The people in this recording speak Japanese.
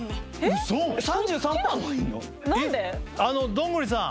どんぐりさん！